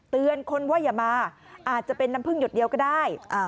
เตือนคนว่าอย่ามาอาจจะเป็นน้ำพึ่งหยดเดียวก็ได้